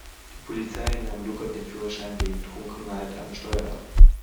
Die Polizei nahm Luca den Führerschein wegen Trunkenheit am Steuer ab.